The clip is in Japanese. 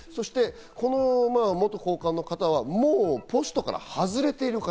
この元高官の方はもうポストから外れている方。